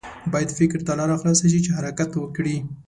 باید فکر ته لاره خلاصه شي چې حرکت وکړي.